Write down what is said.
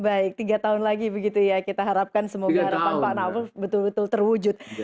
baik tiga tahun lagi begitu ya kita harapkan semoga harapan pak nafrul betul betul terwujud